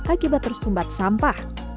akibat tersumbat sampah